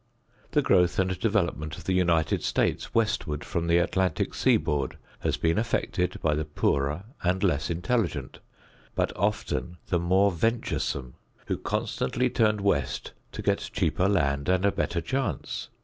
The growth and development of the United States westward from the Atlantic seaboard has been effected by the poorer and less intelligent, but often the more venturesome, who constantly turned West to get cheaper land and a better chance.